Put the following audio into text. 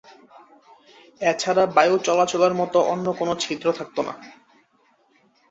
এছাড়া বায়ু চলাচলের মত অন্য কোন ছিদ্র থাকত না।